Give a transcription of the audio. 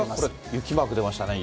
雪マーク出ましたね、